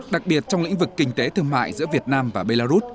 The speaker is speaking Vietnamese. đặc biệt trong lĩnh vực kinh tế thương mại giữa việt nam và belarus